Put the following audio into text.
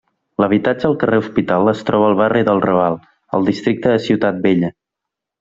L'habitatge al carrer Hospital es troba al barri del Raval, al districte de Ciutat Vella.